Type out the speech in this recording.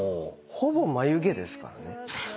ほぼ眉毛ですからね。